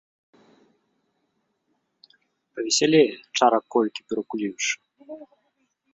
Павесялее, чарак колькі перакуліўшы.